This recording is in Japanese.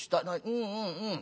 うんうんうん。